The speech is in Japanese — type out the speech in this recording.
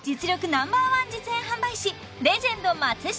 ナンバーワン実演販売士レジェンド松下